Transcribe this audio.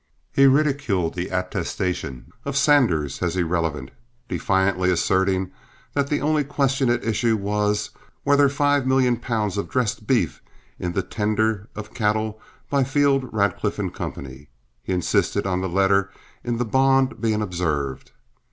He ridiculed the attestations of Sanders as irrelevant, defiantly asserting that the only question at issue was, were there five million pounds of dressed beef in the tender of cattle by Field, Radcliff & Co. He insisted on the letter in the bond being observed.